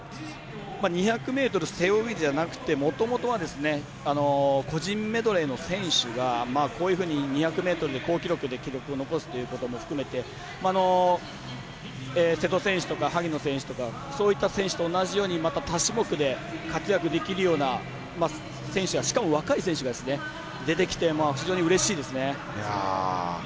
２００ｍ背泳ぎじゃなくてもともとは個人メドレーの選手がこういうふうに２００ｍで好記録の記録を残すということも含めて瀬戸選手とか萩野選手とかそういった選手と同じように多種目で活躍できるような選手がしかも若い選手が出てきて非常にうれしいですね。